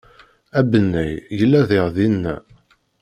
Abennay yella diɣ dinna.